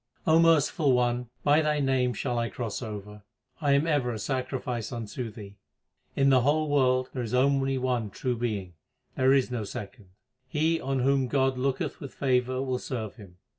O Merciful One, by Thy name shall I cross over ; I am ever a sacrifice unto Thee. In the whole world there is only one True Being ; there is no second. He on whom God looketh with favour will serve Him.